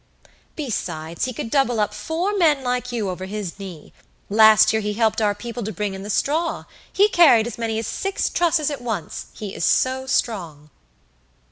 "Besides, he could double up four men like you over his knee. Last year he helped our people to bring in the straw; he carried as many as six trusses at once, he is so strong."